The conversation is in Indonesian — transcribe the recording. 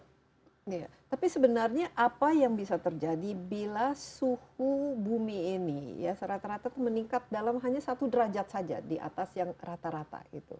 iya tapi sebenarnya apa yang bisa terjadi bila suhu bumi ini ya serata rata meningkat dalam hanya satu derajat saja di atas yang rata rata gitu